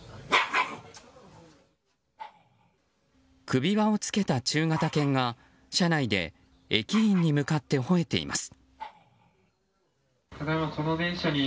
首輪を着けた中型犬が車内で駅員に向かって、ほえています。